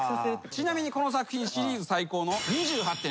ちなみにこの作品シリーズ最高の。